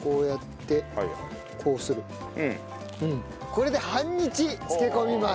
これで半日漬け込みます。